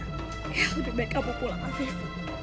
ya lebih baik kamu pulang afif